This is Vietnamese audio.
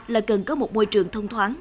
là cần có một môi trường thông thoáng